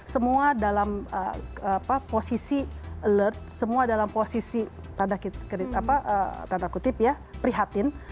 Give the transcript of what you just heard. semua dalam posisi alert semua dalam posisi tanda kutip ya prihatin